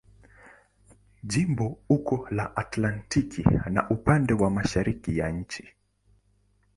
Jimbo uko la Atlantiki na upande wa mashariki ya nchi.